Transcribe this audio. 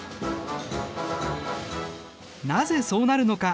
なぜそうなるのか。